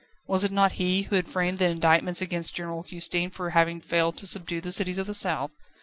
Was it not he who had framed the indictments against General Custine for having failed to subdue the cities of the south?